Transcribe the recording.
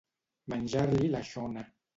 Menjar-li la xona.